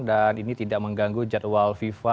dan ini tidak mengganggu jadwal fifa